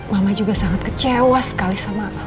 mama juga sangat kecewa sekali sama